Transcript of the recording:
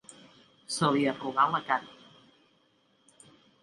Se li arrugà la cara.